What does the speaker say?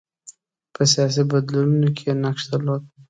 په سیاسي بدلونونو کې یې نقش درلود.